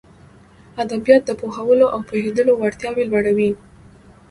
ادبيات د پوهولو او پوهېدلو وړتياوې لوړوي.